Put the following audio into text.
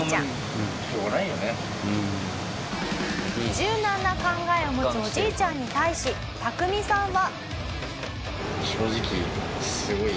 柔軟な考えを持つおじいちゃんに対しタクミさんは。